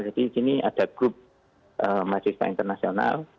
jadi di sini ada grup mahasiswa internasional